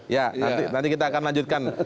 ya nanti kita akan lanjutkan